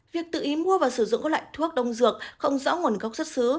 việc tự ý mua và sử dụng các loại thuốc đông dược không rõ nguồn gốc xuất xứ